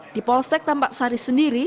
di polsek tambak sari sendiri